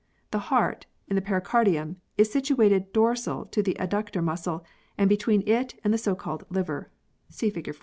The heart, in the pericardium, is situated dorsal to the adductor muscle and between it and the so called liver (see fig.